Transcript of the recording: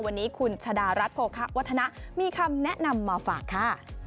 วันนี้คุณชะดารัฐโภคะวัฒนะมีคำแนะนำมาฝากค่ะ